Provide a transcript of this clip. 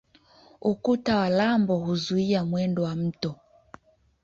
Ukuta wa lambo huzuia mwendo wa mto.